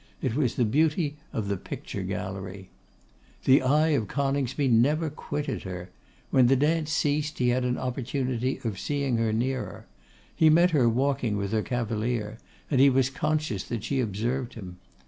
It was the beauty of the picture gallery. The eye of Coningsby never quitted her. When the dance ceased, he had an opportunity of seeing her nearer. He met her walking with her cavalier, and he was conscious that she observed him.